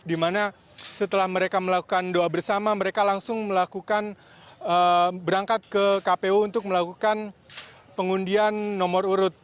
dimana setelah mereka melakukan doa bersama mereka langsung melakukan berangkat ke kpu untuk melakukan pengundian nomor urut